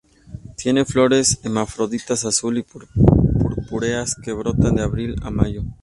Tiene flores hermafroditas azul o purpúreas que brotan de abril a mayo.